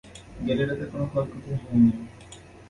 গেরিলাদের কোন ক্ষয়ক্ষতি হয়নি।